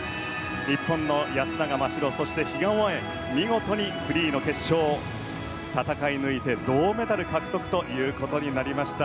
日本の安永真白と比嘉もえ見事にフリーの決勝を戦い抜いて銅メダル獲得となりました。